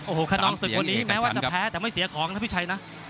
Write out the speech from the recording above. โอ้โหคนนองศึกวันนี้แม้ว่าจะแพ้แต่ไม่เสียของนะพี่ชัยนะ